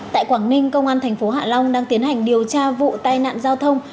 tại quảng ninh công an thành phố hạ long đang tiến hành điều tra vụ tai nạn giao thông